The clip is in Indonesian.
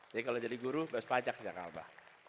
jadi kalau jadi guru bebas pajak di jakarta